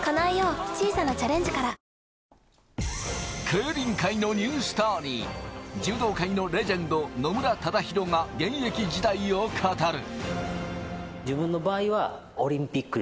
競輪界のニュースターに、柔道界のレジェンド・野村忠宏が現役時代を語る。